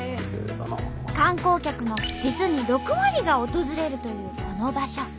観光客の実に６割が訪れるというこの場所。